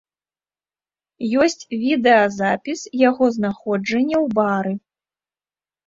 Ёсць відэазапіс яго знаходжання ў бары.